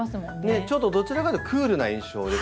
どちらかというとクールな印象ですね。